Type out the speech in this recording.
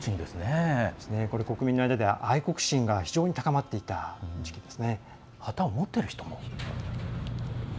国民の間では、愛国心が非常に高まっていった時期です。